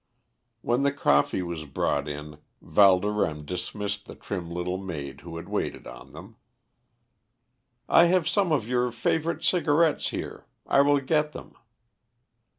When the coffee was brought in, Valdorême dismissed the trim little maid who had waited on them. "I have some of your favourite cigarettes here. I will get them."